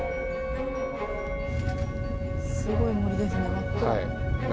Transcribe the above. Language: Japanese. すごい森ですね、真っ暗。